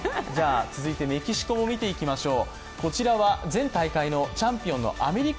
続いてメキシコも見ていきましょう。